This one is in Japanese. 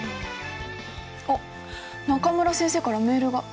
あっ中村先生からメールが。